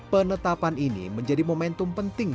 penetapan ini menjadi momentum penting